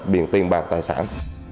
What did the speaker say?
biện tiền bạc tài sản